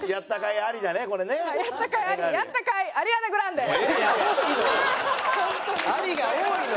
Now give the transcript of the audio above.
「あり」が多いのよ。